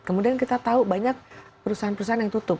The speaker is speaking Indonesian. kemudian kita tahu banyak perusahaan perusahaan yang tutup